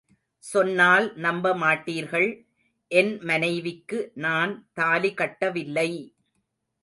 சொன்னால் நம்ப மாட்டீர்கள், என் மனைவிக்கு நான் தாலி கட்டவில்லை!